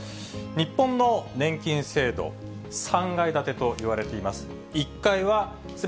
日本の年金制度、３階建てといわれています。